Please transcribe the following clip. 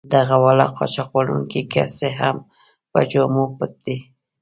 دغه واړه قاچاق وړونکي که څه هم په جامو پټ دي.